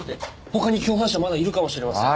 他に共犯者まだいるかもしれません。